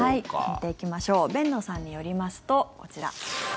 見ていきましょう辨野さんによりますと、こちら。